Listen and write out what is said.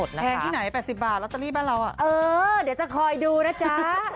รับทราบค่ะ